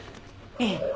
ええ。